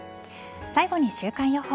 最後に週間予報。